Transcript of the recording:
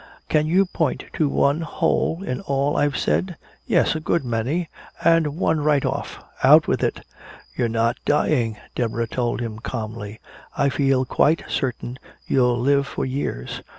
Can you point to one hole in all I've said?" "Yes, a good many and one right off." "Out with it!" "You're not dying," Deborah told him calmly, "I feel quite certain you'll live for years."